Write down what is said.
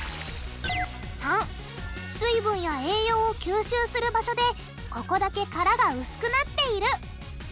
③水分や栄養を吸収する場所でここだけ殻が薄くなっている。